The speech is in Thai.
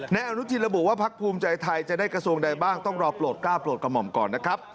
นายอนุทินระบุว่าพักภูมิใจไทยจะได้กระทรวงใดบ้างต้องรอโปรดก้าวโปรดกระหม่อมก่อนนะครับ